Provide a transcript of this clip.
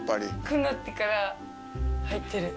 こうなってから入ってる。